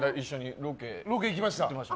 ロケ行きました。